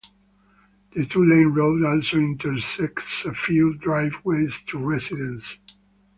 The two-lane road also intersects a few driveways to residences.